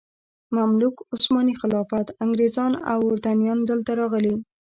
مملوک، عثماني خلافت، انګریزان او اردنیان دلته راغلي.